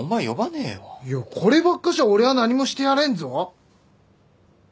いやこればっかしは俺は何もしてやれんぞ。